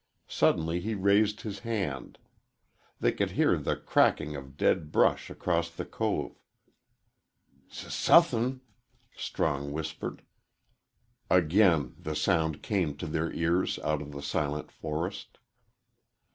Suddenly he raised his hand. They could hear the cracking of dead brush across the cove. "S suthin'," Strong whispered. Again the sound came to their ears out of the silent forest.